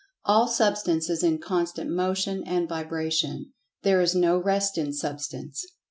All Substance is in constant Motion and Vibration. There is no Rest in Substance.